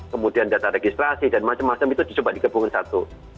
kemudian data registrasi dan macam macam itu disempat di gabungan satu